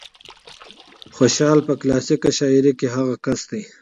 خوشال په کلاسيکه شاعرۍ کې هغه کس دى